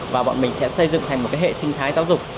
và bọn mình sẽ xây dựng thành một hệ sinh thái giáo dục